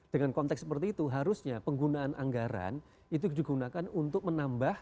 dengan konteks seperti itu harusnya penggunaan anggaran itu digunakan untuk menambah